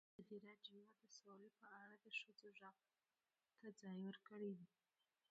ازادي راډیو د سوله په اړه د ښځو غږ ته ځای ورکړی.